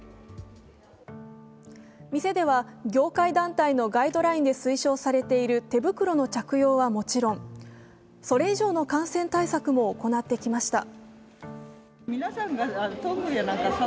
店では、業界団体のガイドラインで推奨されている手袋の着用はもちろん、それ以上の感染対策も行ってきました。